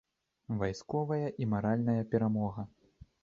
Вайсковая і маральная перамога.